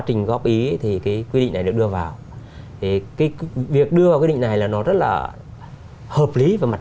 trình góp ý thì cái quy định này được đưa vào thì tiếp việc đưa vào quy định này là nó rất là hợp lý